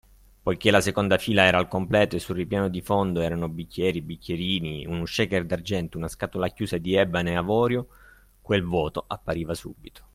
Poiché la seconda fila era al completo, e sul ripiano di fondo erano bicchieri e bicchierini, uno shaker d'argento, una scatola chiusa di ebano e avorio, quel vuoto appariva subito;